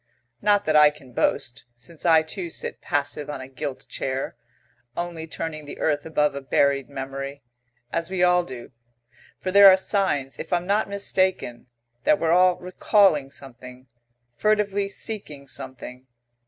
Not that I can boast, since I too sit passive on a gilt chair, only turning the earth above a buried memory, as we all do, for there are signs, if I'm not mistaken, that we're all recalling something, furtively seeking something.